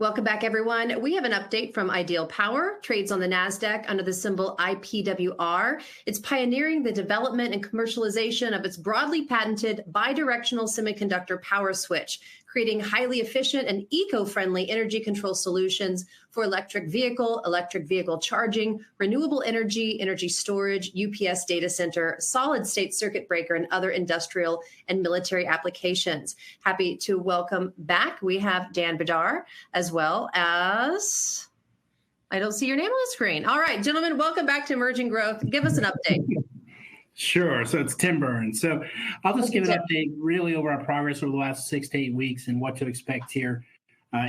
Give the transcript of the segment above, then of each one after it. Welcome back, everyone. We have an update from Ideal Power, trades on the NASDAQ under the symbol IPWR. It's pioneering the development and commercialization of its broadly patented bi-directional semiconductor power switch, creating highly efficient and eco-friendly energy control solutions for electric vehicle, electric vehicle charging, renewable energy, energy storage, UPS data center, solid-state circuit breaker, and other industrial and military applications. Happy to welcome back. We have Dan Brdar as well as, I don't see your name on the screen. All right, gentlemen, welcome back to Emerging Growth. Give us an update. Sure. So it's Tim Burns. Okay, Tim. I'll just give an update really over our progress over the last six to eight weeks and what to expect here,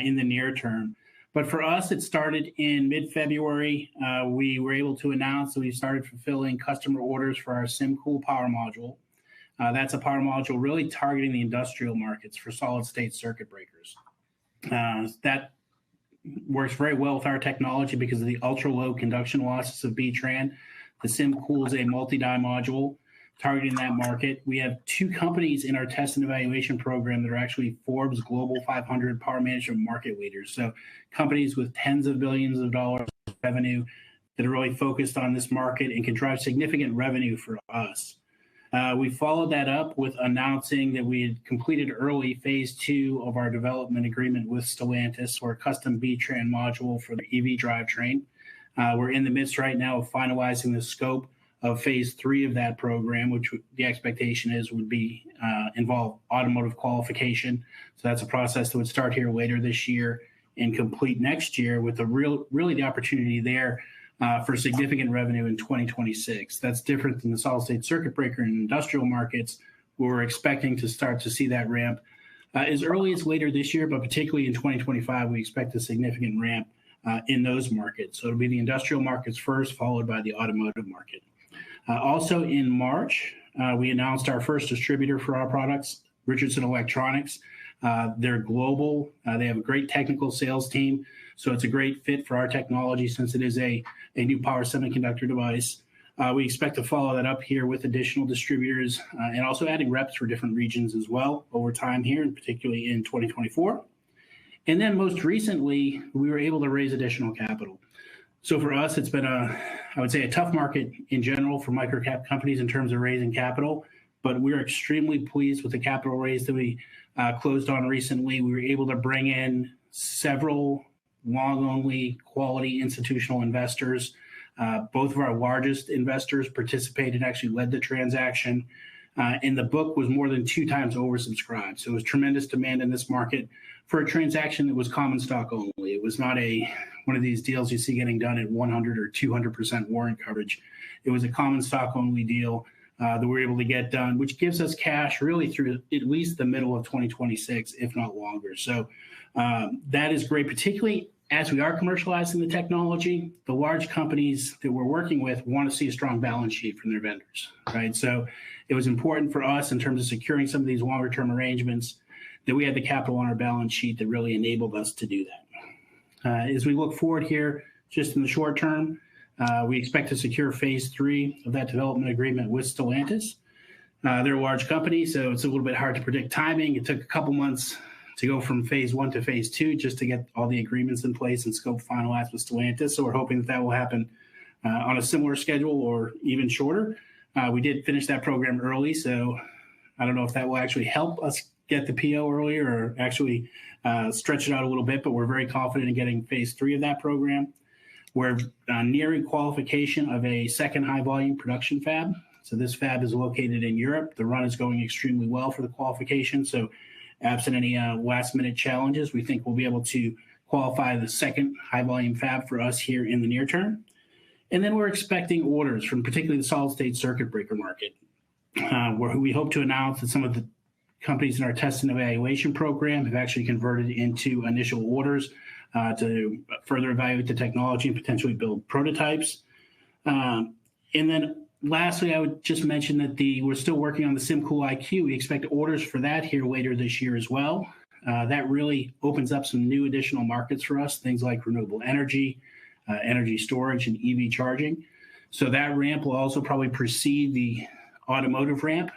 in the near term. But for us, it started in mid-February. We were able to announce that we started fulfilling customer orders for our SymCool power module. That's a power module really targeting the industrial markets for solid-state circuit breakers. That works very well with our technology because of the ultra-low conduction losses of B-TRAN. The SymCool is a multi-die module targeting that market. We have two companies in our test and evaluation program that are actually Forbes Global 500 power management market leaders, so companies with tens of billions of dollars of revenue that are really focused on this market and can drive significant revenue for us. We followed that up with announcing that we had completed early phase II of our development agreement with Stellantis for a custom B-TRAN module for the EV drivetrain. We're in the midst right now of finalizing the scope of phase III of that program, which the expectation is, would be, involve automotive qualification. So that's a process that would start here later this year and complete next year with the really the opportunity there, for significant revenue in 2026. That's different than the solid-state circuit breaker in industrial markets. We're expecting to start to see that ramp, as early as later this year, but particularly in 2025, we expect a significant ramp, in those markets. So it'll be the industrial markets first, followed by the automotive market. Also in March, we announced our first distributor for our products, Richardson Electronics. They're global. They have a great technical sales team, so it's a great fit for our technology since it is a new power semiconductor device. We expect to follow that up here with additional distributors, and also adding reps for different regions as well over time here, and particularly in 2024. And then most recently, we were able to raise additional capital. So for us, it's been a, I would say, a tough market in general for microcap companies in terms of raising capital, but we're extremely pleased with the capital raise that we closed on recently. We were able to bring in several long-only quality institutional investors. Both of our largest investors participated, actually led the transaction, and the book was more than two times oversubscribed. So it was tremendous demand in this market for a transaction that was common stock only. It was not one of these deals you see getting done at 100% or 200% warrant coverage. It was a common stock-only deal, that we're able to get done, which gives us cash really through at least the middle of 2026, if not longer. So, that is great, particularly as we are commercializing the technology, the large companies that we're working with want to see a strong balance sheet from their vendors, right? So it was important for us in terms of securing some of these longer-term arrangements, that we had the capital on our balance sheet that really enabled us to do that. As we look forward here, just in the short term, we expect to secure phase III of that development agreement with Stellantis. They're a large company, so it's a little bit hard to predict timing. It took a couple of months to go from phase I to phase II just to get all the agreements in place and scope finalized with Stellantis. So we're hoping that will happen on a similar schedule or even shorter. We did finish that program early, so I don't know if that will actually help us get the PO earlier or actually stretch it out a little bit, but we're very confident in getting phase III of that program. We're nearing qualification of a second high volume production fab. So this fab is located in Europe. The run is going extremely well for the qualification. Absent any last-minute challenges, we think we'll be able to qualify the second high-volume fab for us here in the near term. Then we're expecting orders from particularly the solid-state circuit breaker market, where we hope to announce that some of the companies in our test and evaluation program have actually converted into initial orders to further evaluate the technology and potentially build prototypes. Then lastly, I would just mention that we're still working on the SymCool IQ. We expect orders for that here later this year as well. That really opens up some new additional markets for us, things like renewable energy, energy storage, and EV charging. So that ramp will also probably precede the automotive ramp.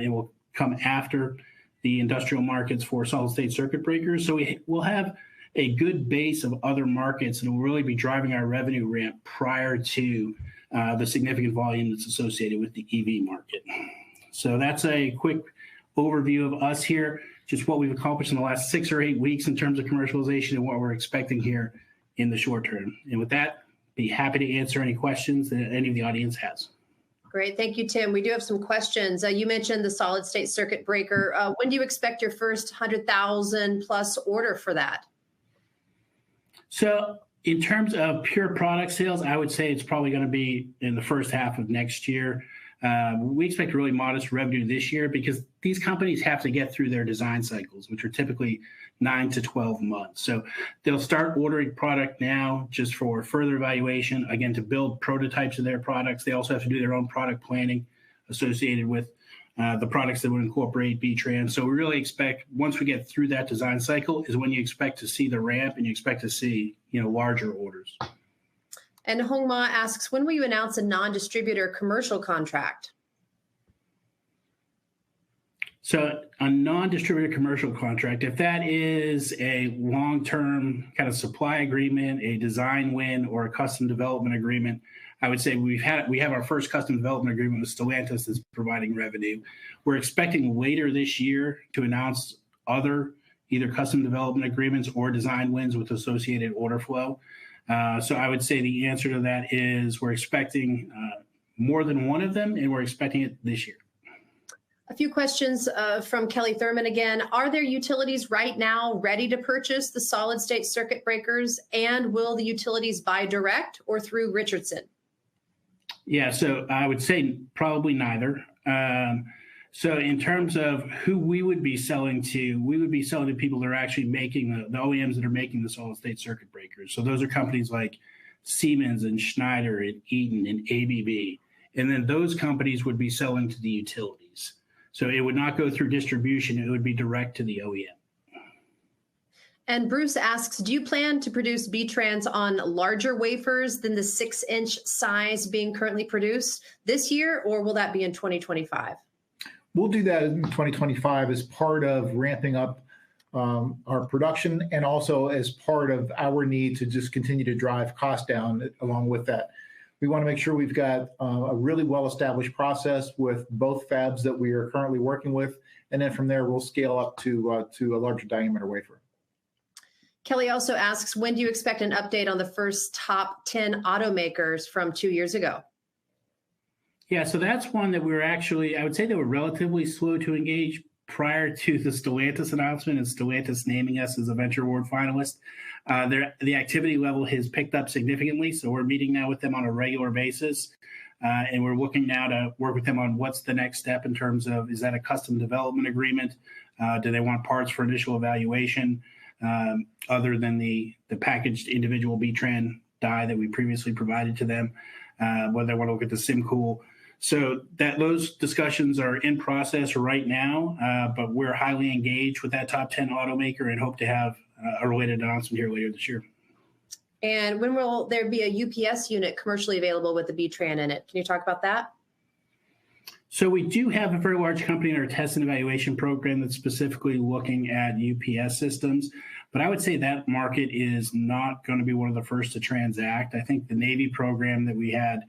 It will come after the industrial markets for solid-state circuit breakers. So we'll have a good base of other markets, and we'll really be driving our revenue ramp prior to the significant volume that's associated with the EV market. So that's a quick overview of us here, just what we've accomplished in the last six or eight weeks in terms of commercialization and what we're expecting here in the short term. And with that, be happy to answer any questions that any of the audience has. Great. Thank you, Tim. We do have some questions. You mentioned the solid-state circuit breaker. When do you expect your first 100,000+ order for that? So in terms of pure product sales, I would say it's probably gonna be in the first half of next year. We expect a really modest revenue this year because these companies have to get through their design cycles, which are typically nine to 12 months. So they'll start ordering product now just for further evaluation, again, to build prototypes of their products. They also have to do their own product planning associated with, the products that would incorporate B-TRAN. So we really expect once we get through that design cycle, is when you expect to see the ramp and you expect to see, you know, larger orders. Hong Ma asks: "When will you announce a non-distributor commercial contract?". So a non-distributed commercial contract, if that is a long-term kind of supply agreement, a design win, or a custom development agreement, I would say we've had, we have our first custom development agreement with Stellantis that's providing revenue. We're expecting later this year to announce other either custom development agreements or design wins with associated order flow. So I would say the answer to that is we're expecting more than one of them, and we're expecting it this year. A few questions from Kelly Thurman again, "Are there utilities right now ready to purchase the solid-state circuit breakers, and will the utilities buy direct or through Richardson? Yeah, so I would say probably neither. So in terms of who we would be selling to, we would be selling to people that are actually making the OEMs that are making the solid-state circuit breakers. So those are companies like Siemens and Schneider and Eaton and ABB, and then those companies would be selling to the utilities. So it would not go through distribution, it would be direct to the OEM. Bruce asks, "Do you plan to produce B-TRAN on larger wafers than the six-inch size being currently produced this year, or will that be in 2025? We'll do that in 2025 as part of ramping up our production and also as part of our need to just continue to drive cost down along with that. We wanna make sure we've got a really well-established process with both fabs that we are currently working with, and then from there, we'll scale up to a larger diameter wafer. Kelly also asks, "When do you expect an update on the first top ten automakers from two years ago?". Yeah, so that's one that we're actually. I would say they were relatively slow to engage prior to the Stellantis announcement and Stellantis naming us as a Venture Award finalist. Their activity level has picked up significantly, so we're meeting now with them on a regular basis. And we're looking now to work with them on what's the next step in terms of is that a custom development agreement, do they want parts for initial evaluation, other than the packaged individual B-TRAN die that we previously provided to them, whether they want to look at the SymCool. So, those discussions are in process right now, but we're highly engaged with that top 10 automaker and hope to have a related announcement here later this year. When will there be a UPS unit commercially available with the B-TRAN in it? Can you talk about that? So we do have a very large company in our test and evaluation program that's specifically looking at UPS systems. But I would say that market is not gonna be one of the first to transact. I think the Navy program that we had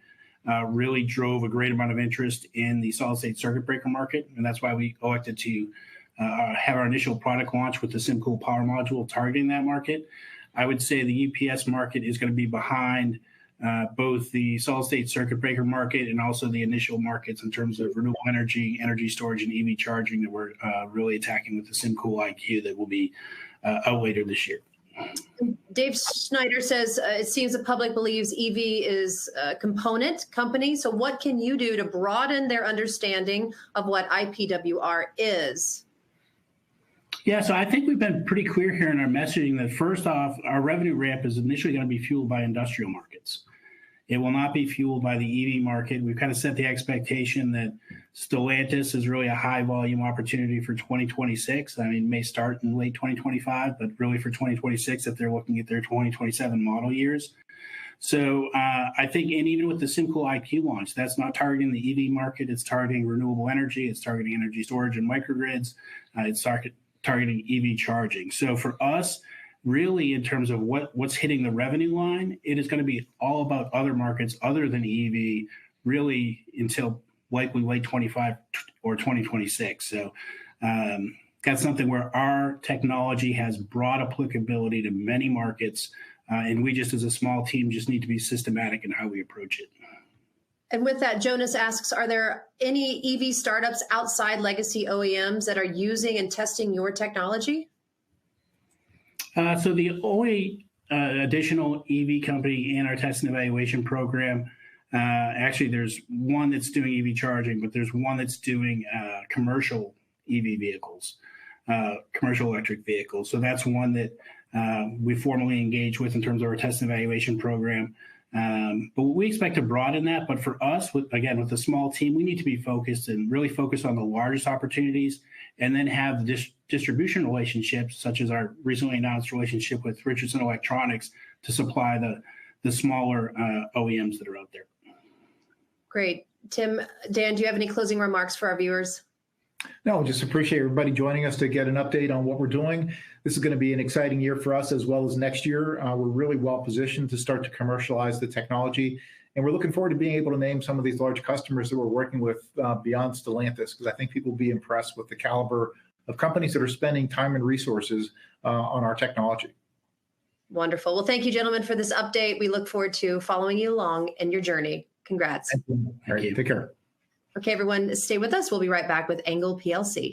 really drove a great amount of interest in the solid-state circuit breaker market, and that's why we elected to have our initial product launch with the SymCool power module targeting that market. I would say the UPS market is gonna be behind both the solid-state circuit breaker market and also the initial markets in terms of renewable energy, energy storage, and EV charging that we're really attacking with the SymCool IQ that will be out later this year. Dave Schneider says, "It seems the public believes EV is a component company, so what can you do to broaden their understanding of what IPWR is? Yeah, so I think we've been pretty clear here in our messaging that, first off, our revenue ramp is initially gonna be fueled by industrial markets. It will not be fueled by the EV market. We've kind of set the expectation that Stellantis is really a high-volume opportunity for 2026. I mean, it may start in late 2025, but really for 2026 if they're looking at their 2027 model years. So, I think and even with the SymCool IQ launch, that's not targeting the EV market, it's targeting renewable energy, it's targeting energy storage and microgrids, it's targeting EV charging. So for us, really, in terms of what, what's hitting the revenue line, it is gonna be all about other markets other than EV, really until likely late 2025 or 2026. That's something where our technology has broad applicability to many markets, and we just as a small team just need to be systematic in how we approach it. With that, Jonas asks, "Are there any EV startups outside legacy OEMs that are using and testing your technology?". So the only additional EV company in our test and evaluation program, actually, there's one that's doing EV charging, but there's one that's doing commercial EV vehicles, commercial electric vehicles. So that's one that we formally engage with in terms of our test and evaluation program. But we expect to broaden that, but for us, with, again, with a small team, we need to be focused and really focused on the largest opportunities and then have distribution relationships, such as our recently announced relationship with Richardson Electronics, to supply the smaller OEMs that are out there. Great. Tim, Dan, do you have any closing remarks for our viewers? No, just appreciate everybody joining us to get an update on what we're doing. This is gonna be an exciting year for us, as well as next year. We're really well positioned to start to commercialize the technology, and we're looking forward to being able to name some of these large customers that we're working with, beyond Stellantis, because I think people will be impressed with the caliber of companies that are spending time and resources, on our technology. Wonderful. Well, thank you, gentlemen, for this update. We look forward to following you along in your journey. Congrats. Thank you. Take care. Okay, everyone, stay with us. We'll be right back with ANGLE plc.